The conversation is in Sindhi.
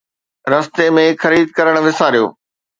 رستي ۾ خريد ڪرڻ وساريو